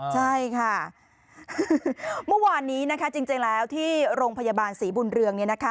ใช่ค่ะเมื่อวานนี้นะคะจริงแล้วที่โรงพยาบาลศรีบุญเรือง